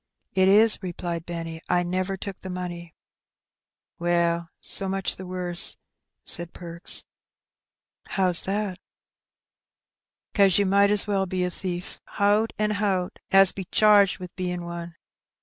"It is," replied Benny; "I never took the money." "Well, so much the worse,'" said Perks. "How's that?" "'Cause yer might as well be a thief, hout an' hout, as Perks Again. 191 be charged wi' bein' one.